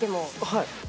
はい。